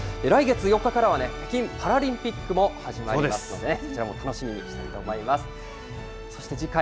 来月４日からはね、北京パラリンピックも始まりますね。